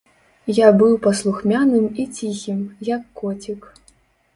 Я быў паслухмяным і ціхім, як коцік.